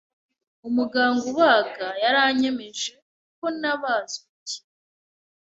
Umuganga ubaga yaranyemeje ko nabazwe ingingo.